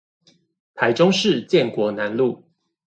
台中市建國南路